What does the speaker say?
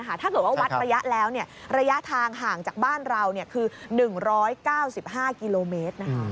ถ้าเกิดว่าวัดระยะแล้วระยะทางห่างจากบ้านเราคือ๑๙๕กิโลเมตร